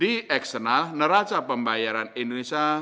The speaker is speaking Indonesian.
di eksternal neraca pembayaran indonesia